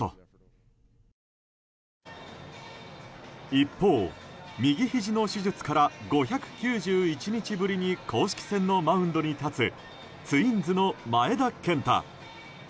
一方、右ひじの手術から５９１日ぶりに公式戦のマウンドに立つツインズの前田健太。